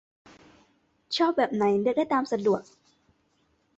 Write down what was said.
ชอบแบบไหนเลือกได้ตามสะดวก